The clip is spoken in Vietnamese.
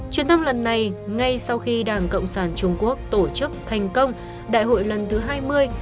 chuyến thăm lần này ngay sau khi đảng cộng sản trung quốc tổ chức thành công đại hội lần thứ hai mươi